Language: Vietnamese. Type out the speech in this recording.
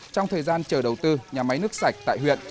trong thời gian chờ đầu tư nhà máy nước sạch tại huyện